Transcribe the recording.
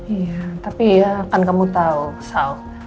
iya tapi ya kan kamu tahu sal